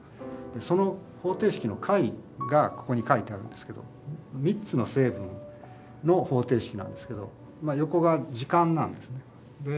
その方程式の解がここに書いてあるんですけど３つの成分の方程式なんですけど横が時間なんですね。